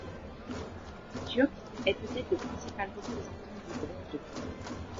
Turk est peut-être le principal représentant du bronze peint.